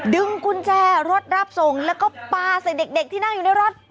ดึงกุญแจรถรับส่งแล้วก็ปลาใส่เด็กที่นั่งอยู่ในรถ